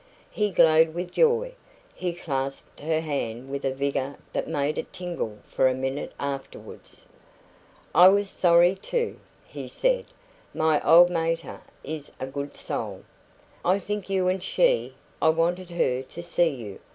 He glowed with joy. He clasped her hand with a vigour that made it tingle for a minute afterwards. "I was sorry too," he said. "My old mater is a good soul. I think you and she I wanted her to see you.